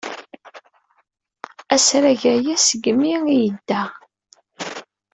Asrag aya segmi ay yedda.